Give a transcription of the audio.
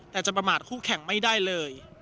แต่จะประมาทคู่แข่งไม่ได้เลย